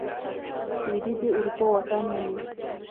لوېدیځې اروپا واټن ونیو.